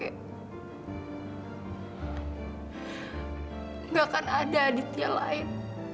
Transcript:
tidak akan ada aditya lain